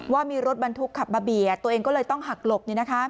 ว่ามีรถบรรทุกขับมาเบียดตัวเองก็เลยต้องหักหลบ